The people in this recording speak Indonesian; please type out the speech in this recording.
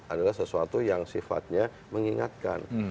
adalah sesuatu yang sifatnya mengingatkan